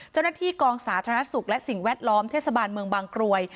เจ้าหน้าที่กองสาธารณสุขและสิ่งแวดล้อมเทศบาลเมืองบางกรวย